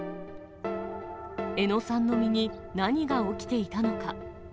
江野さんの身に、何が起きていたのか。